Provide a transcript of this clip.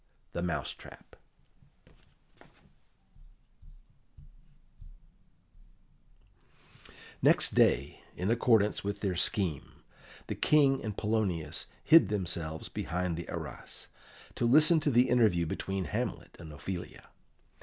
"The Mouse trap" Next day, in accordance with their scheme, the King and Polonius hid themselves behind the arras, to listen to the interview between Hamlet and Ophelia.